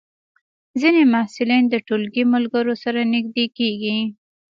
ځینې محصلین د ټولګي ملګرو سره نږدې کېږي.